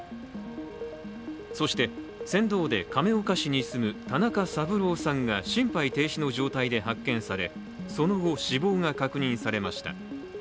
そして、船頭で亀岡市に住む田中三郎さんが心肺停止の状態で発見されその後、死亡が確認されました。